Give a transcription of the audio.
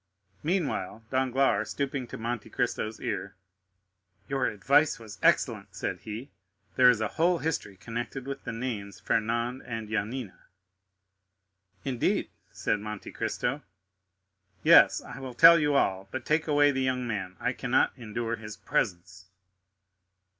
Meanwhile, Danglars, stooping to Monte Cristo's ear, "Your advice was excellent," said he; "there is a whole history connected with the names Fernand and Yanina." "Indeed?" said Monte Cristo. "Yes, I will tell you all; but take away the young man; I cannot endure his presence."